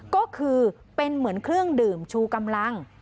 ก็คือเป็นเหมือนเครื่องดื่มชูกำลัง